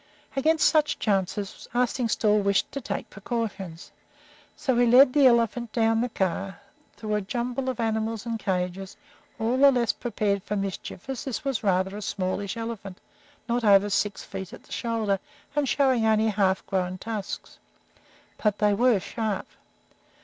Against such chances Arstingstall wished to take precautions, so he led the elephant down the car, through the jumble of animals and cages, all the less prepared for mischief as this was rather a smallish elephant, not over six feet at the shoulder and showing only half grown tusks. But they were sharp.